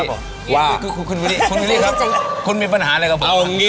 คุณวินี่ครับคุณมีปัญหาอะไรกับผม